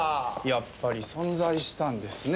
やっぱり存在したんですね